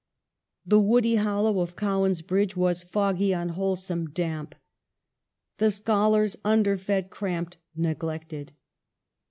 The woody hollow of Cowan's Bridge was foggy, unwholesome, clamp. The scholars under fed, cramped, neglected.